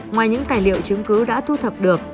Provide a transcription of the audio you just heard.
ngoài những tài liệu chứng cứ đã thu thập được